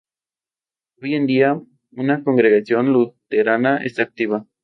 Éste, ante el grave correctivo infligido salió de Barcelona tomando rumbo a Cartago.